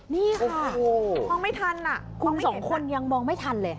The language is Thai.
นี่ค่ะมองไม่ทันคุณสองคนยังมองไม่ทันเลย